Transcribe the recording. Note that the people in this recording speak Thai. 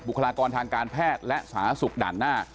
บุคลากรทางการแพทย์และสหสุขด่านหน้า